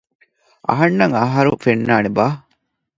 އަންނަ އަހަރު ފެންނާނެބާ؟